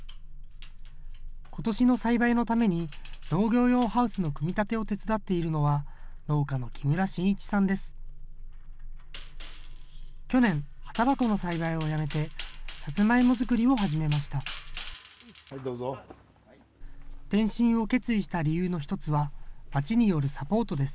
ことしの栽培のために、農業用ハウスの組み立てを手伝っているのは、農家の木村信一さんです。